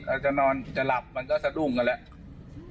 เราจะนอนจะหลับมันก็สะดุ้งกันแล้ว